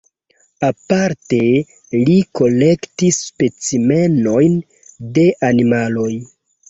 Aparte li kolektis specimenojn de animaloj.